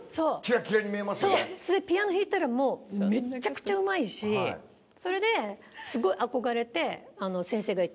それでピアノ弾いたらもうめちゃくちゃうまいしそれですごい憧れて。